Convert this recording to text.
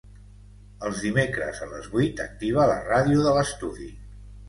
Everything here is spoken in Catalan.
Els dimecres a les vuit activa la ràdio de l'estudi.